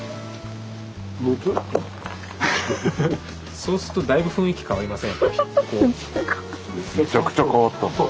そうするとだいぶ雰囲気変わりませんでした？